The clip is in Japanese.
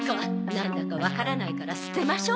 なんだかわからないから捨てましょ。